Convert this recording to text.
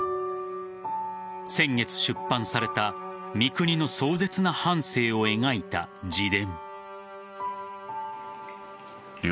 先月出版された三國の壮絶な半生を描いた自伝。